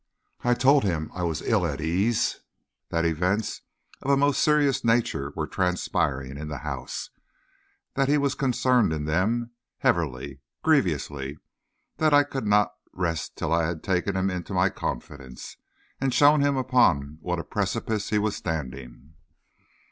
I told him I was ill at ease; that events of a most serious nature were transpiring in the house; that he was concerned in them heavily, grievously; that I could not rest till I had taken him into my confidence, and shown him upon what a precipice he was standing.